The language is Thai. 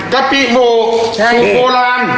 กะปิโวสูตรโบรัน